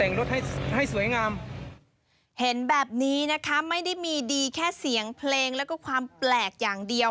แต่งรถให้ให้สวยงามเห็นแบบนี้นะคะไม่ได้มีดีแค่เสียงเพลงแล้วก็ความแปลกอย่างเดียว